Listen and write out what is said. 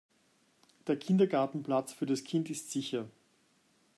Der Kindergartenplatz für das Kind ist sicher.